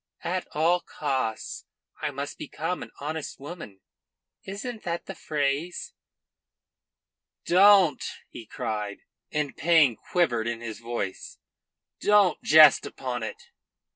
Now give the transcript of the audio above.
At all costs I must become an honest woman. Isn't that the phrase?" "Don't!" he cried, and pain quivered in his voice. "Don't jest upon it."